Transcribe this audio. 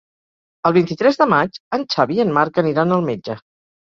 El vint-i-tres de maig en Xavi i en Marc aniran al metge.